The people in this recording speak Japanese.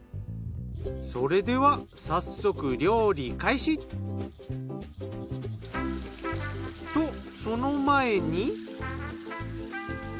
それでは早速料理開始！とその前に。